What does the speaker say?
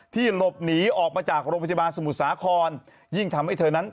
หลบหนีออกมาจากโรงพยาบาลสมุทรสาครยิ่งทำให้เธอนั้น